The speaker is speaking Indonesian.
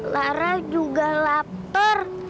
lara juga lapar